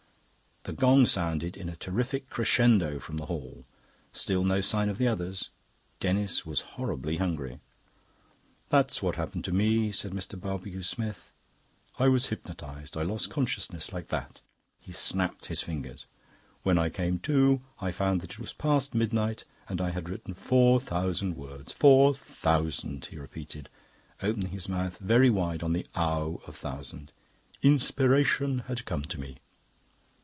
The gong sounded in a terrific crescendo from the hall. Still no sign of the others. Denis was horribly hungry. "That's what happened to me," said Mr. Barbecue Smith. "I was hypnotised. I lost consciousness like that." He snapped his fingers. "When I came to, I found that it was past midnight, and I had written four thousand words. Four thousand," he repeated, opening his mouth very wide on the "ou" of thousand. "Inspiration had come to me."